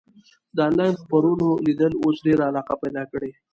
د انلاین خپرونو لیدل اوس ډېره علاقه پیدا کړې.